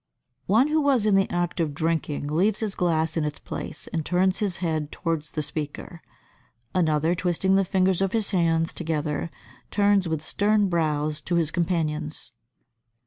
One who was in the act of drinking leaves his glass in its place, and turns his head towards the speaker. Another, twisting the fingers of his hands together, turns with stern brows to his companions.